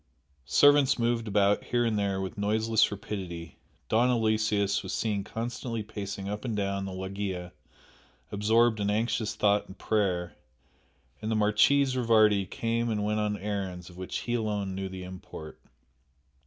Servants moved about here and there with noiseless rapidity, Don Aloysius was seen constantly pacing up and down the loggia absorbed in anxious thought and prayer, and the Marchese Rivardi came and went on errands of which he alone knew the import.